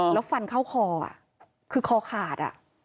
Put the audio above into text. แล้วฟันเข้าคอคือคอขาด